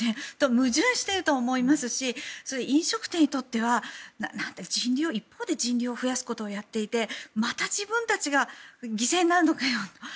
矛盾していると思いますし飲食店にとっては一方で人流を増やすことをやっていて、また自分たちが犠牲になるのかよと。